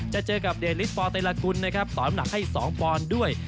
จะเจอกับเดลิสปอเตรกุลนะครับต่อน้ำหนักให้๒ปอนด์ด้วย